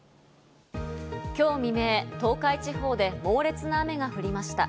今日未明、東海地方で猛烈な雨が降りました。